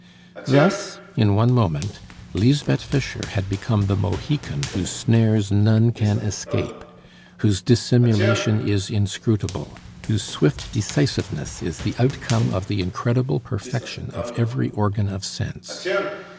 Thus, in one moment, Lisbeth Fischer had become the Mohican whose snares none can escape, whose dissimulation is inscrutable, whose swift decisiveness is the outcome of the incredible perfection of every organ of sense.